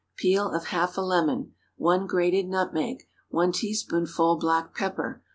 Peel of half a lemon. 1 grated nutmeg. 1 teaspoonful black pepper.